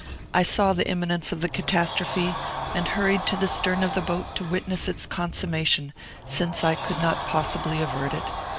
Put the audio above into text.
I saw the imminence of the catastrophe, and hurried to the stern of the boat to witness its consummation, since I could not possibly avert it.